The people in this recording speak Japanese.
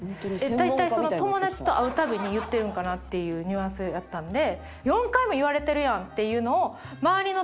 大体友達と会う度に言ってるんかなっていうニュアンスやったんで。